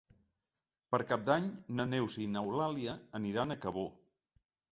Per Cap d'Any na Neus i n'Eulàlia aniran a Cabó.